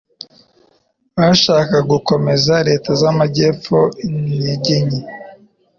Bashakaga gukomeza leta zamajyepfo intege nke.